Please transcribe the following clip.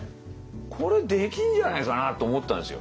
「これできんじゃねえかな」と思ったんですよ。